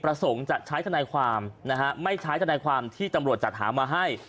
ประสงค์จะใช้ทนายความนะฮะไม่ใช้ทนายความที่ตำรวจจัดหามาให้